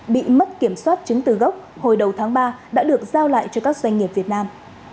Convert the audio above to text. bị mất kiểm soát chứng từ gốc hồi đầu tháng ba đã được giao lại cho các doanh nghiệp việt nam